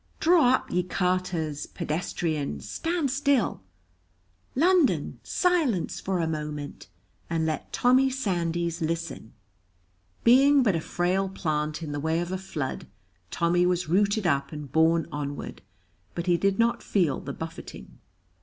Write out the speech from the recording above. Draw up, ye carters; pedestrians, stand still; London, silence for a moment, and let Tommy Sandys listen! Being but a frail plant in the way of a flood, Tommy was rooted up and borne onward, but he did not feel the buffeting.